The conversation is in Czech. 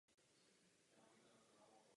My, jako Parlament, toto považujeme za důležité.